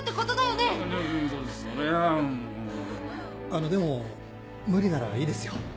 あのでも無理ならいいですよ。